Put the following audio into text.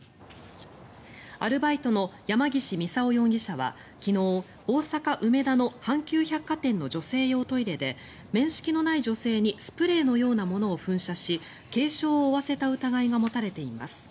アルバイトの山岸操容疑者は昨日、大阪・梅田の阪急百貨店の女性用のトイレで面識のない女性にスプレーのようなものを噴射し軽傷を負わせた疑いが持たれています。